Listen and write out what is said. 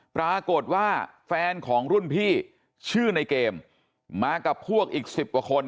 ปรากฏว่าแฟนของรุ่นพี่ชื่อในเกมมากับพวกอีก๑๐กว่าคน